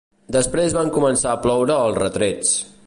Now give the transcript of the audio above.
Després van començar a ploure els retrets.